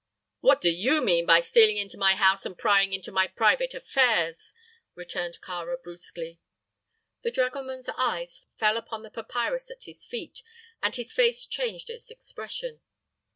"What do you mean by stealing into my house and prying into my private affairs?" returned Kāra brusquely. The dragoman's eyes fell upon the papyrus at his feet, and his face changed its expression.